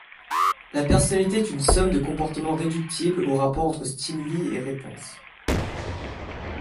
La personnalité est une somme de comportements réductibles aux rapports entre stimuli et réponses.